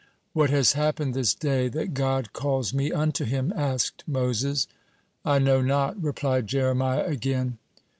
"What has happened this day, that God calls me unto Him?" asked Moses. "I know not," replied Jeremiah again.